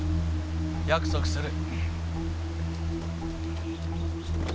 約束する。